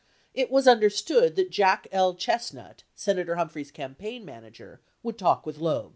It was understood that Jack L. Chestnut, Senator Humphrey's campaign manager, would talk with Loeb.